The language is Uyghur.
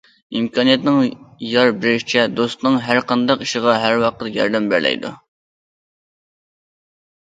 ئىمكانىيەتنىڭ يار بېرىشىچە دوستنىڭ ھەر قانداق ئىشىغا ھەر ۋاقىت ياردەم بېرەلەيدۇ.